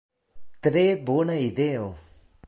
Tre bona ideo!